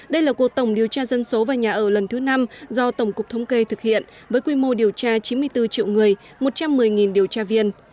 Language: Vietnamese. đây là cuộc tổng điều tra dân số và nhà ở lần thứ năm do tổng cục thống kê thực hiện với quy mô điều tra chín mươi bốn triệu người một trăm một mươi điều tra viên